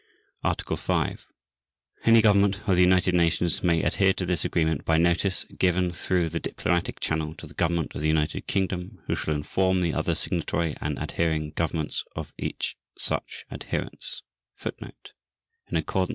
Article 5. Any Government of the United Nations may adhere to this Agreement by notice given through the diplomatic channel to the Government of the United Kingdom, who shall inform the other signatory and adhering Governments of each such adherence.